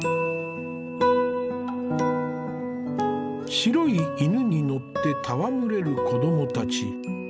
白い犬に乗って戯れる子供たち。